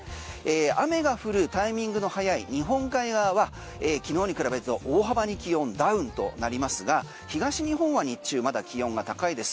雨が降るタイミングの早い日本海側は昨日に比べると大幅に気温ダウンとなりますが東日本は日中まだ気温が高いです。